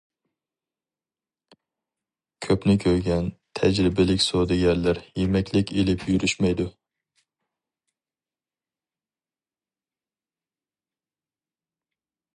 كۆپنى كۆرگەن تەجرىبىلىك سودىگەرلەر يېمەكلىك ئېلىپ يۈرۈشمەيدۇ.